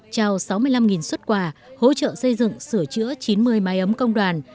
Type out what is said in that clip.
trao sáu mươi năm xuất quà hỗ trợ xây dựng sửa chữa chín mươi máy ấm công đoàn